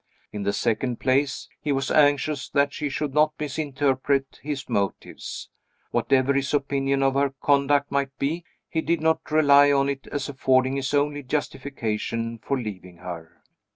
In the second place, he was anxious that she should not misinterpret his motives. Whatever his opinion of her conduct might be, he did not rely on it as affording his only justification for leaving her.